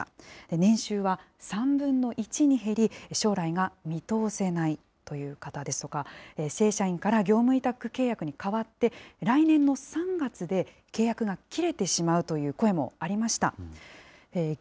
年収は３分の１に減り、将来が見通せないという方ですとか、正社員から業務委託契約に変わって、来年の３月で契約が切れてしまうという声もありました。